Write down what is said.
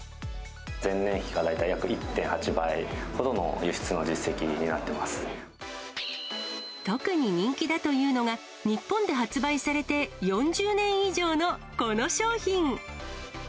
前年比が大体、約１．８倍ほ特に人気だというのが、日本で発売されて４０年以上のこの商品。